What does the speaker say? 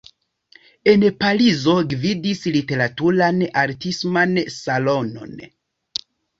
En Parizo gvidis literaturan-artisman salonon.